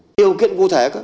điều kiện vô thể